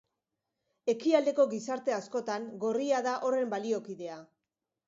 Ekialdeko gizarte askotan gorria da horren baliokidea.